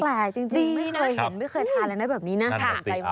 แปลกจริงไม่เคยเห็นไม่เคยทานอะไรแบบนี้นะ